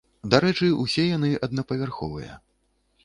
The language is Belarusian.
Дарэчы, усе яны аднапавярховыя.